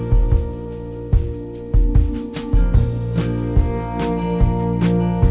ไม่ไม่รู้ทันหรือเปล่า